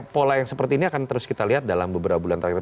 pola yang seperti ini akan terus kita lihat dalam beberapa bulan terakhir